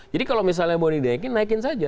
jadi kalau misalnya mau dinaikin naikin saja